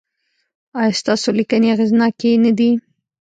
ایا ستاسو لیکنې اغیزناکې نه دي؟